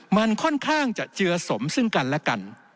มันค่อนข้างจะเจือสมซึ่งกันและกัน